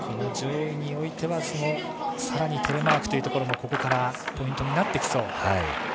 上位においてはさらにテレマークというところもここからポイントになってきそう。